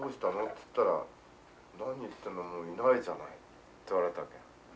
っつったら「何言ってんのもういないじゃない」って言われたわけよ。